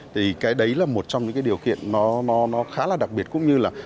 thì cái đấy là một trong những cái điều kiện nó khá là đặc biệt cũng như là